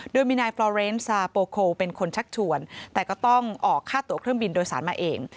โดยมีนายฟลอเรนซาโปโคเป็นคนชักชวนแต่ก็ต้องออกค่าตัวเครื่องบินโดยสารมาเอง